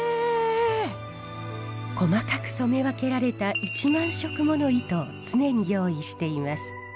細かく染め分けられた１万色もの糸を常に用意しています。